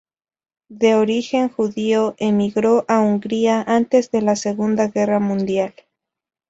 De origen judío, emigró a hungría antes de la segunda Guerra Mundial.